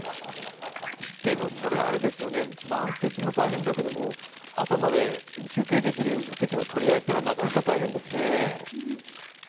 でも、満席も大変だけども、朝まで休憩できる席の取り合いというのはなかなか大変ですね。